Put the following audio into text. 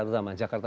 jakarta pantai utara